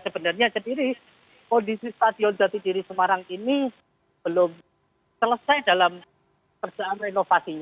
jadi kondisi stadion jati jiri semarang ini belum selesai dalam perjalanan inovasinya